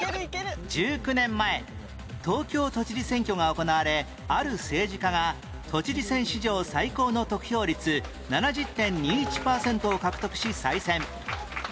１９年前東京都知事選挙が行われある政治家が都知事選史上最高の得票率 ７０．２１ パーセントを獲得し再選